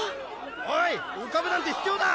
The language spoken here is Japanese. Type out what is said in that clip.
おい浮かぶなんて卑怯だ！